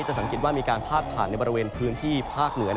สังเกตว่ามีการพาดผ่านในบริเวณพื้นที่ภาคเหนือ